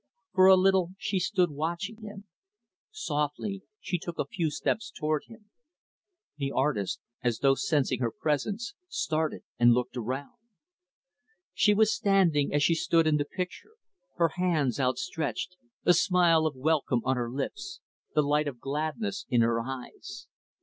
For a little, she stood watching him. Softly, she took a few steps toward him. The artist, as though sensing her presence, started and looked around. She was standing as she stood in the picture; her hands outstretched, a smile of welcome on her lips, the light of gladness in her eyes.